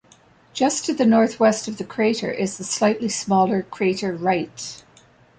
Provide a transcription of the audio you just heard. Just to the northwest of the crater is the slightly smaller crater Wright.